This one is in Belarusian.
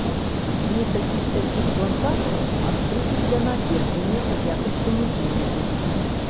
Некалькі сядзіб плантатараў адкрыты для наведвання ў якасці музеяў.